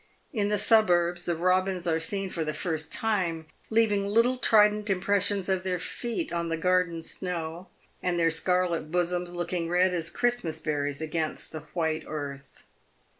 In the suburbs, the robins are seen for the first time leaving little trident impressions of their feet on the garden snow, and their scarlet bosoms looking red as Christmas berries against the white earth.